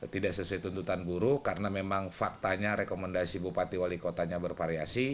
tidak sesuai tuntutan buruh karena memang faktanya rekomendasi bupati wali kotanya bervariasi